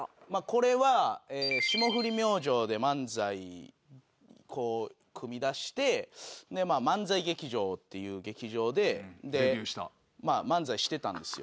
これは霜降り明星で漫才組みだしてでまあ漫才劇場っていう劇場で漫才してたんですよ。